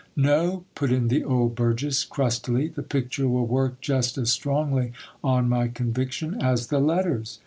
No, put in the old burgess crustily ; the picture will work just as strongly on my conviction as the letters.